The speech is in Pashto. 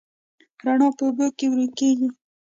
رڼا په اوبو کې ورو کېږي.